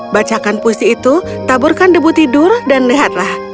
bacakan puisi itu taburkan debu tidur dan lihatlah